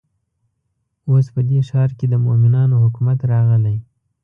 اوس په دې ښار کې د مؤمنانو حکومت راغلی.